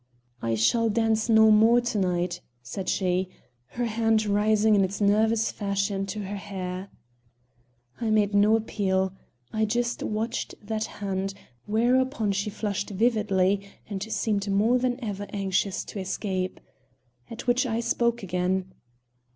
"I shall dance no more to night," said she, her hand rising in its nervous fashion to her hair. I made no appeal. I just watched that hand, whereupon she flushed vividly and seemed more than ever anxious to escape. At which I spoke again.